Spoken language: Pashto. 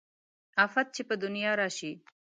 افت چې په دنيا راشي